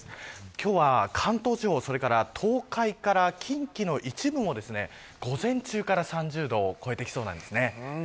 今日は関東地方、それから東海から近畿の一部も午前中から３０度を超えてきそうです。